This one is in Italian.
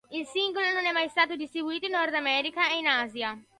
Il singolo non è mai stato distribuito in Nord America e in Asia.